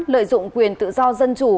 lợi dụng quyền tự do dân chủ